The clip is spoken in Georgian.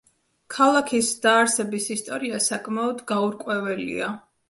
ქალაქის დაარსების ისტორია საკმაოდ გაურკვეველია.